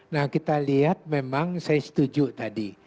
nah kita lihat memang saya setuju tadi